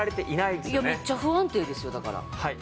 いやめっちゃ不安定ですよだから。